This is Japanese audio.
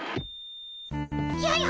やや！